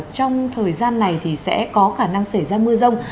trong thời gian này thì sẽ có khả năng xảy ra mưa rông